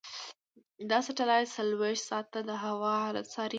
دا سټلایټ څلورویشت ساعته د هوا حالت څاري.